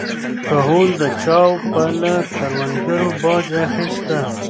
کهول اجاو به له کروندګرو باج اخیسته